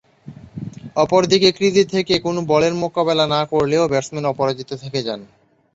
অপরদিকে ক্রিজে থেকে কোন বলের মোকাবেলা না করলেও ব্যাটসম্যান অপরাজিত থেকে যান।